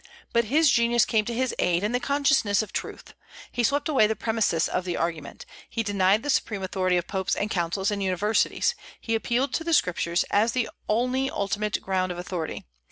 But his genius came to his aid, and the consciousness of truth. He swept away the premises of the argument. He denied the supreme authority of popes and councils and universities. He appealed to the Scriptures, as the only ultimate ground of authority.